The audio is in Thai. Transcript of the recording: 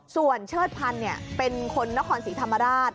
ส่วนเชิดพันธ์เป็นคนนครศรีธรรมราช